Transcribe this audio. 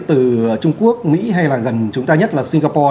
từ trung quốc mỹ hay là gần chúng ta nhất là singapore